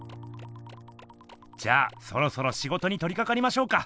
じゃあそろそろしごとにとりかかりましょうか。